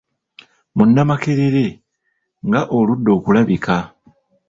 Munnamakerere nga oludde okulabika?